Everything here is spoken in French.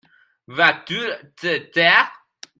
Vas-tu te taire ?